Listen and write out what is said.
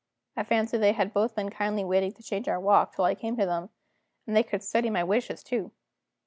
I fancy they had both been kindly waiting to change our walk, till I came to them, and they could study my wishes too.